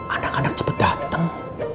anak anak cepet dateng